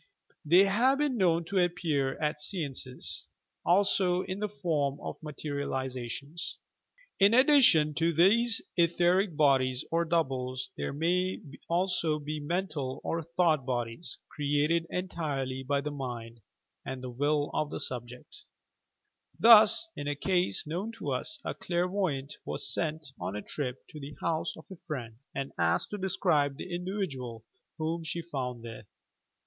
They have been known to appear at stances, also, in the form of "materializations." YOUR PSYCHIC POWEES THODHT POKMS: HOW THET ARE BIJn,T UP In addition to these etheric bodies or "doubles," there may also be mental or thoagbt bodies, created entirely by tbe mind and vilJ of the subject. Thos, in a case known to us, a clairvoyant was sent on a trip to the house of a friend and asked to describe the individual whom she found there.